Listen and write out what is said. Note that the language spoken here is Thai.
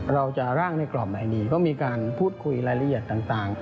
เราจะร่างในกรอบอันนี้ก็มีการพูดคุยรายละเอียดต่าง